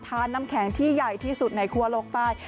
น้ำแข็งที่ใหญ่ที่สุดในคั่วโลกใต้